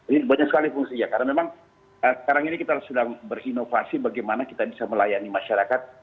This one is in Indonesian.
ini banyak sekali fungsinya karena memang sekarang ini kita sedang berinovasi bagaimana kita bisa melayani masyarakat